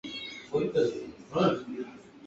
তিনি সাহিত্য সমালোচক হিসেবে বিশেষ পরিচিতি পান।